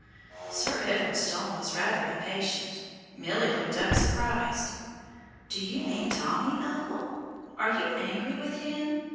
Sir Edward's tone was rather impatient. Milly looked up surprised. "Do you mean Tommy, uncle? Are you angry with him?